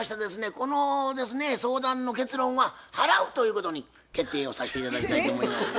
このですね相談の結論は「払う」ということに決定をさして頂きたいと思います。